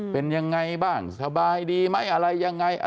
เป็นยังไงบ้างสบายดีไหมอะไรยังไง